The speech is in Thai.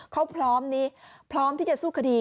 เขาพร้อมที่จะสู้คดี